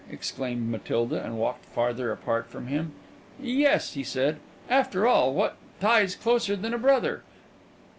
exclaimed Matilda, and walked farther apart from him. "Yes," he said. "After all, what tie's closer than a brother?